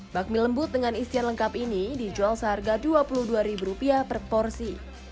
bakmi lembut dengan isian lengkap ini dijual seharga dua puluh dua per porsi